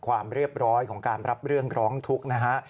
ความเรียบร้อยของการรับเรื่องร้องทุกข์นะฮะ